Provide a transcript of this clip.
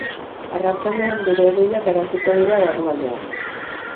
Arratsaldean bero-hodeiak garatuko dira barrualdean.